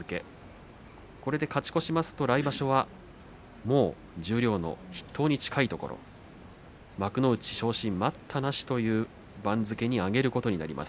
これで勝ち越しますと来場所はもう十両の筆頭に近いところ幕内昇進待ったなしという番付に上げることになります。